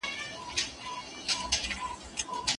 خاوند او ميرمن د بل عادات څنګه تشخيصوي؟